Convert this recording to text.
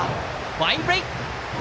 ファインプレー！